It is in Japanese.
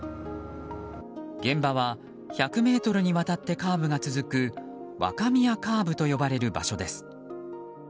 現場は１００ｍにわたってカーブが続く若宮カーブと呼ばれる場所です。